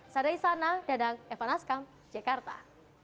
saya dari sana dadang eva naskam jakarta